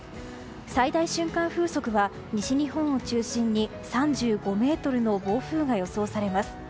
最大瞬間風速は西日本を中心に３５メートルの暴風が予想されます。